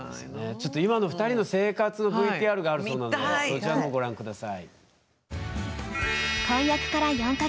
ちょっと今の２人の生活のＶＴＲがあるそうなのでそちらのほうご覧下さい。